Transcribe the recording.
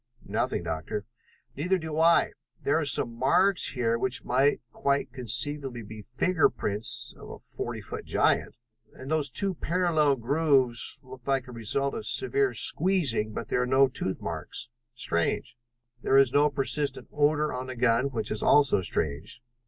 "Nothing, Doctor." "Neither do I. There are some marks here which might quite conceivably be finger prints of a forty foot giant, and those two parallel grooves look like the result of severe squeezing, but there are no tooth marks. Strange. There is no persistent odor on the gun, which is also strange.